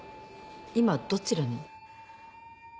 今どちらに？